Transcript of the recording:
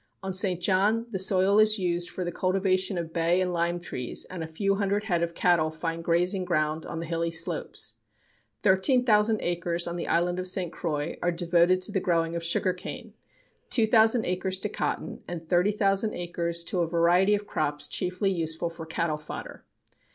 On St. John the soil is used for the cultivation of bay and lime trees, and a few hundred head of cattle find grazing ground on the hilly slopes. Thirteen thousand acres on the island of St. Croix are devoted to the growing of sugar cane, 2,000 acres to cotton, and 30,000 acres to a variety of crops chiefly useful for cattle fodder.